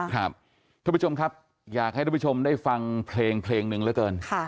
ครับทุกผู้ชมครับไม่ได้ฟังเพลงนึงเลยเกิน